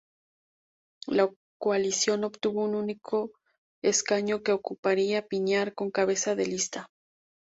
La coalición obtuvo un único escaño que ocuparía Piñar como cabeza de lista.